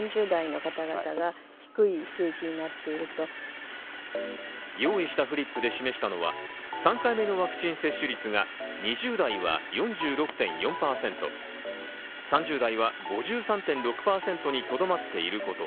そして。用意したフリップで示したのは３回目のワクチン接種率が２０代は４６．４％、３０代は５３．６％にとどまっていること。